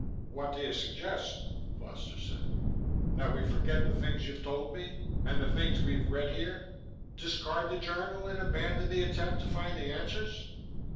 "What do you suggest?" Foster said. "That we forget the things you've told me, and the things we've read here, discard the journal, and abandon the attempt to find the answers?"